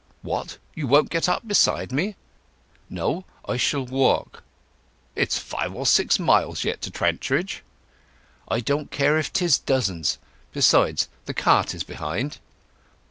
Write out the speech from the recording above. "What—you won't get up beside me?" "No; I shall walk." "'Tis five or six miles yet to Trantridge." "I don't care if 'tis dozens. Besides, the cart is behind."